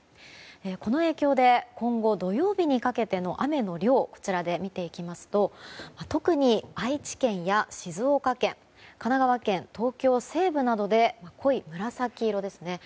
この影響で今後土曜日にかけての雨の量をこちらで見ていきますと特に愛知県や静岡県、神奈川県東京西部などで濃い紫色ですね。